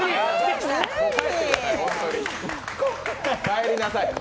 帰りなさい。